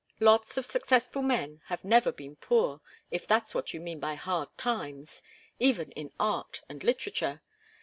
Lots of successful men have never been poor, if that's what you mean by hard times even in art and literature.